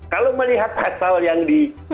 kalau melihat asal yang di